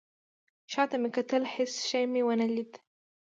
شاته مې وکتل. هیڅ شی مې ونه لید